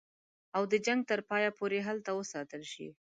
او د جنګ تر پایه پوري هلته وساتل شي.